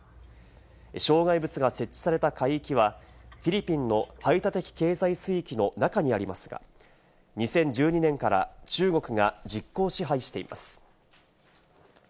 障害物が設置された海域はフィリピンの排他的経済水域の中にありますが、２０１２年から中国が実効支配しています。